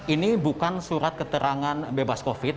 ini bukan surat keterangan bebas covid